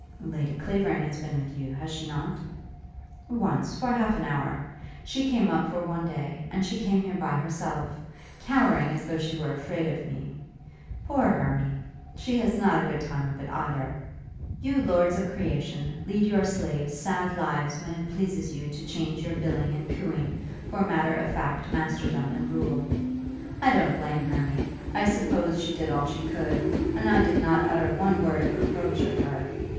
"Lady Clavering has been with you; has she not?" "Once, for half an hour. She came up for one day, and came here by herself, cowering as though she were afraid of me. Poor Hermy! She has not a good time of it either. You lords of creation lead your slaves sad lives when it pleases you to change your billing and cooing for matter of fact masterdom and rule. I don't blame Hermy. I suppose she did all she could, and I did not utter one word of reproach of her.